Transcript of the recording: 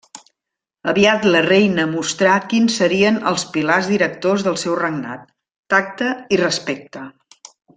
Aviat la reina mostrà quins serien els pilars directors del seu regnat: tacte i respecte.